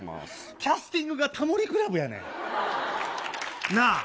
キャスティングがタモリクラブやねん、なあ。